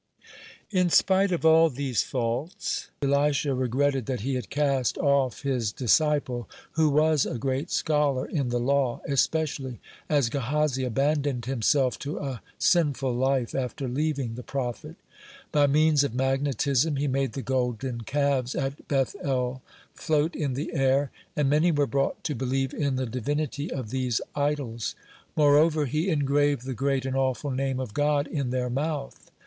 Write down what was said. (16) In spite of all these faults, Elisha regretted that he had cast off his disciple, who was a great scholar in the law, especially as Gehazi abandoned himself to a sinful life after leaving the prophet. By means of magnetism he made the golden calves at Beth el float in the air, and many were brought to believe in the divinity of these idols. Moreover, he engraved the great and awful Name of God in their mouth.